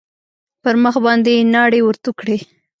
پر مخ باندې يې ناړې ورتو کړې.